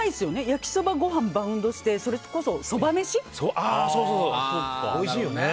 焼きそばごはん、バウンドしてそれこそ、そば飯、おいしい。